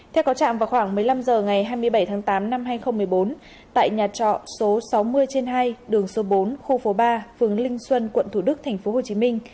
theo có trạm vào khoảng một mươi năm h ngày hai mươi bảy tháng tám năm hai nghìn một mươi bốn tại nhà trọ số sáu mươi trên hai đường số bốn khu phố ba phường linh xuân quận thủ đức tp hcm